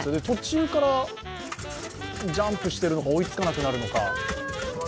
途中からジャンプしてるのか、追いつかなくなるのか。